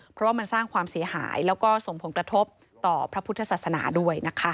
เพราะว่ามันสร้างความเสียหายแล้วก็ส่งผลกระทบต่อพระพุทธศาสนาด้วยนะคะ